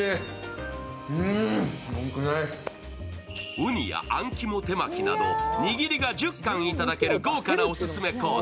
うにやあん肝手巻きなど握りが１０貫いただける豪華なオススメコース。